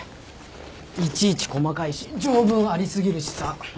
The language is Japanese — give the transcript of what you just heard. いちいち細かいし条文あり過ぎるしさ。